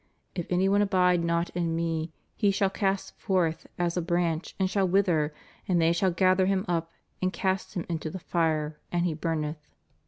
// any one abide not in Me, he shall be cast forth as a branch and shall vnther, and they shall gather him up, and cast him into the fire, and he bumeth.